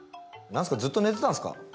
何すかずっと寝てたんすか？